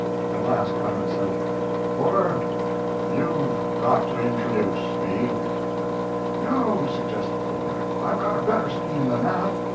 At last Clemens said: "Fuller, you've got to introduce me." "No," suggested Fuller; "I've got a better scheme than that.